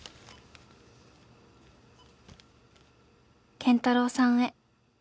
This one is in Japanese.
「健太郎さんへ」